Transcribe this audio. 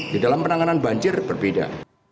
di dalam penanganan banjir berbeda